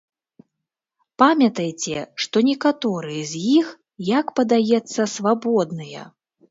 Памятайце, што некаторыя з іх, як падаецца, свабодныя!